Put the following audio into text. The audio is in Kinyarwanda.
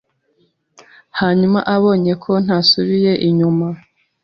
Hanyuma abonye ko ntasubiye inyuma